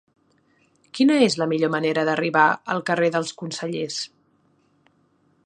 Quina és la millor manera d'arribar al carrer dels Consellers?